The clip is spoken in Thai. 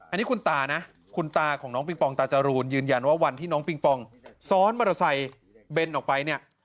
อันนี้คุณตานะคุณตาของน้องปิงปองตาจรูนยืนยันว่าวันที่น้องปิงปองซ้อนมอเตอร์ไซค์เบนออกไปเนี่ย